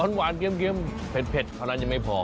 เออหวานเค็มเผ็ดเพราะฉะนั้นยังไม่พอ